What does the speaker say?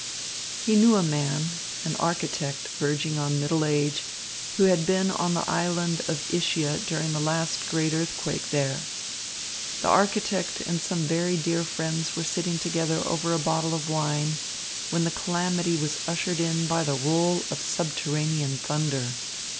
He knew a man, an architect verging on middle age, who had been on the island of Ischia during the last great earthquake there. The architect and some very dear friends were sitting together over a bottle of wine when the calamity was ushered in by the roll of subterranean thunder.